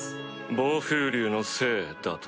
暴風竜のせいだと？